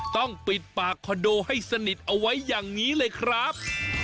ต้องปิดปากคอนโดให้สนิทเอาไว้อย่างนี้เลยครับ